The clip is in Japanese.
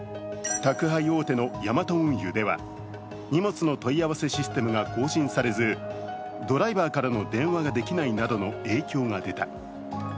宅配大手のヤマト運輸では、荷物の問い合わせシステムが更新されずドライバーからの電話ができないなどの影響が出た。